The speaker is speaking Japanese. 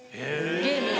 ゲームに。